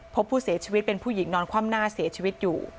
พบผู้เสียชีวิตเป็นผู้หญิงนอนคว่ำหน้าเสียชีวิตอยู่